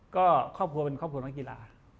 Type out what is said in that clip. ก็ครอบครัวเป็นครอบครัวนักกีฬา